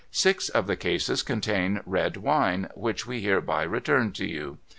Six of the cases contain red wine — which we hereby return to you.